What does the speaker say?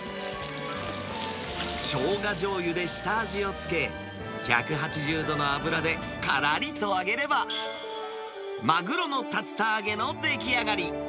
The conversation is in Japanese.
しょうがじょうゆで下味をつけ、１８０度の油でからりと揚げれば、マグロの竜田揚げの出来上がり。